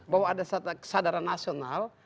bahwa ada sadaran nasional